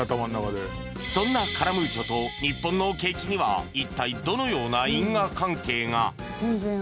そんなカラムーチョと日本の景気には一体どのような因果関係が？